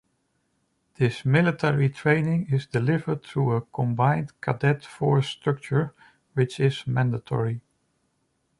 This military training is delivered through a Combined Cadet Force structure which is mandatory.